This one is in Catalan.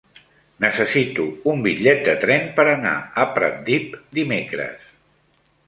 Necessito un bitllet de tren per anar a Pratdip dimecres.